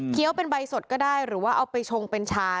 เป็นใบสดก็ได้หรือว่าเอาไปชงเป็นชา